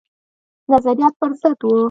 نظریات پر ضد وه.